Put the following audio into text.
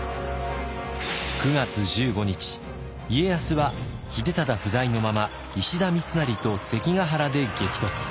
９月１５日家康は秀忠不在のまま石田三成と関ヶ原で激突。